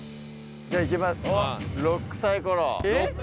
じゃあいきます。